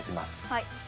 はい。